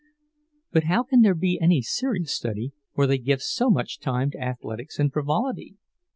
"But how can there be any serious study where they give so much time to athletics and frivolity?